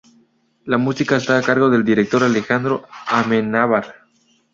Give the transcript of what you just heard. La música está a cargo del director Alejandro Amenábar.